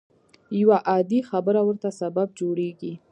يوه عادي خبره ورته سبب جوړېږي.